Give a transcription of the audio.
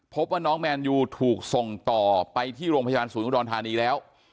พบว่าน้องแมนยูถูกส่งต่อไปที่โรงพยาบาลศูนย์อุดรธานีแล้ว